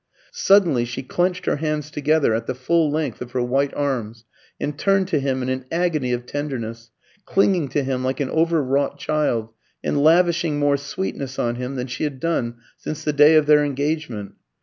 Suddenly she clenched her hands together, at the full length of her white arms, and turned to him in an agony of tenderness, clinging to him like an overwrought child, and lavishing more sweetness on him than she had done since the day of their engagement.